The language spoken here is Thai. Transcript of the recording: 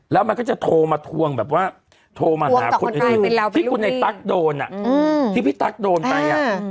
แล้วมันก็จะโทรมาทวงแบบว่าโทรมาหาคนอื่นที่พี่ตั๊กโดนไป